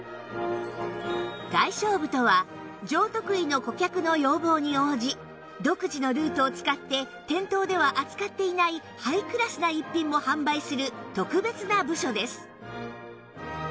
外商部とは上得意の顧客の要望に応じ独自のルートを使って店頭では扱っていないハイクラスな逸品も販売する特別な部署です